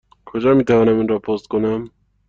کجا می توانم این را پست کنم؟